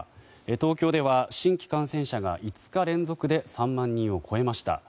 東京では新規感染者が５日連続で３万人を超えました。